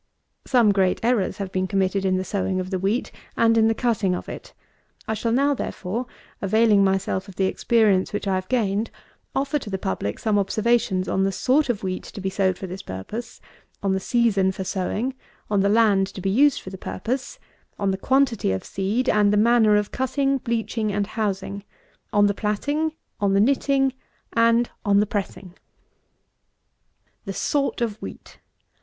Some great errors have been committed in the sowing of the wheat, and in the cutting of it. I shall now, therefore, availing myself of the experience which I have gained, offer to the public some observations on the sort of wheat to be sowed for this purpose; on the season for sowing; on the land to be used for the purpose; on the quantity of seed, and the manner of sowing: on the season for cutting; on the manner of cutting, bleaching, and housing; on the platting; on the knitting, and on the pressing. 224. The SORT OF WHEAT.